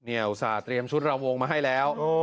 อุตส่าห์เตรียมชุดระวงมาให้แล้ว